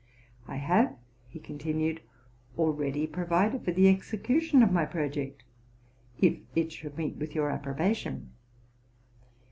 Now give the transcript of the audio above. I have,'' he continued, '' already provided for the execution of my project, if it should meet your approbation.